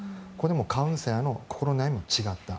カウンセラーの心の悩みも違った。